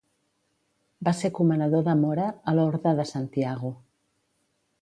Va ser comanador de Mora a l'Orde de Santiago.